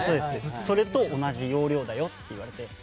それと同じ要領だよって言われて。